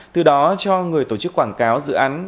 từ đó cho người tổ chức quảng cáo dự án